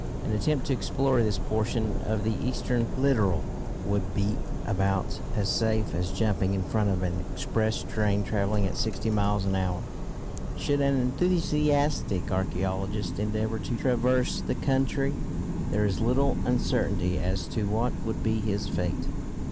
An attempt to explore this portion of the eastern littoral would be about as safe as jumping in front of an express train travelling at sixty miles an hour. Should an enthusiastic archæologist endeavour to traverse the country, there is little uncertainty as to what would be his fate.